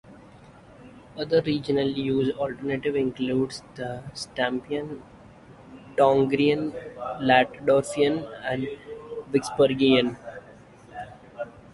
Other regionally used alternatives include the Stampian, Tongrian, Latdorfian and Vicksburgian.